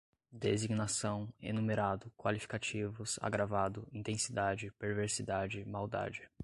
designação, enumerado, qualificativos, agravado, intensidade, perversidade, maldade